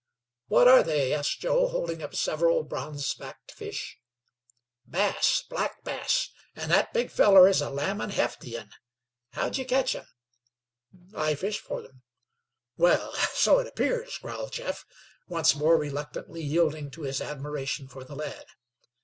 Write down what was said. "What are they?" asked Joe, holding up several bronze backed fish. "Bass black bass, an' thet big feller is a lammin' hefty 'un. How'd ye ketch 'em?" "I fished for them." "Wal, so it 'pears," growled Jeff, once more reluctantly yielding to his admiration for the lad.